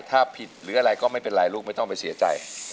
ถ้าผิดหรืออะไรก็ไม่เป็นไรลูกไม่ต้องไปเสียใจ